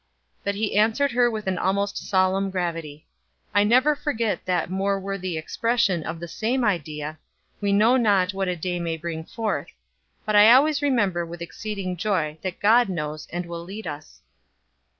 '" But he answered her with an almost solemn gravity: "I never forget that more worthy expression of the same idea, we know not what a day may bring forth; but I always remember with exceeding joy that God knows, and will lead us."